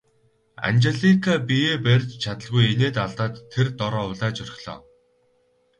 Анжелика биеэ барьж чадалгүй инээд алдаад тэр дороо улайж орхилоо.